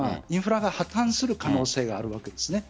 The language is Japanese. インフラが破綻する可能性があるわけです。